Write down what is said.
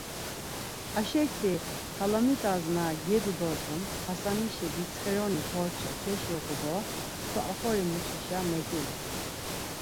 Aşekti xalamit̆as na gedu dort̆un, Xasanişi ditsxironi porça keşiğu do çkva oxori muşişa meǩilu.